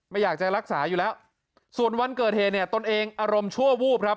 ไม่อยากจะรักษาอยู่แล้วส่วนวันเกิดเหตุเนี่ยตนเองอารมณ์ชั่ววูบครับ